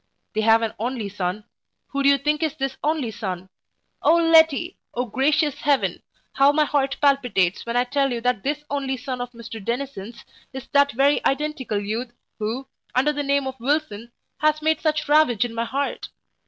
They have an only son who do you think is this only son? O Letty! O gracious heaven! how my heart palpitates, when I tell you that this only son of Mr Dennison's, is that very identical youth who, under the name of Wilson, has made such ravage in my heart!